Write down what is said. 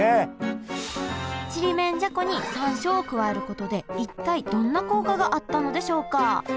ちりめんじゃこに山椒を加えることで一体どんな効果があったのでしょうか？